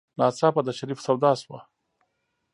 ناڅاپه د شريف سودا شوه.